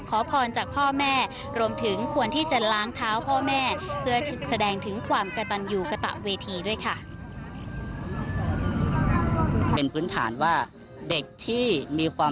ขอพรจากพ่อแม่รวมถึงควรที่จะล้างเท้าพ่อแม่เพื่อแสดงถึงความกระตันอยู่กระตะเวทีด้วยค่ะ